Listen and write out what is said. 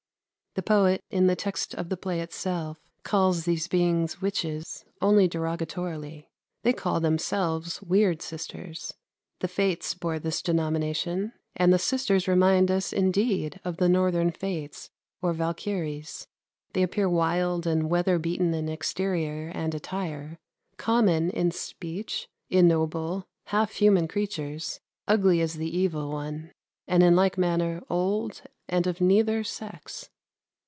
The poet, in the text of the play itself, calls these beings witches only derogatorily; they call themselves weird sisters; the Fates bore this denomination, and the sisters remind us indeed of the Northern Fates or Valkyries. They appear wild and weather beaten in exterior and attire, common in speech, ignoble, half human creatures, ugly as the Evil One, and in like manner old, and of neither sex.